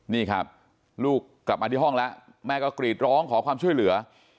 นี่ครับลูกกลับมาที่ห้องแล้วแม่ก็กรีดร้องขอความช่วยเหลือ